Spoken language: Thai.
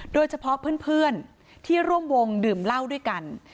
โดยเฉพาะเพื่อนที่ร่วมวงดื่มเหล้าด้วยกัน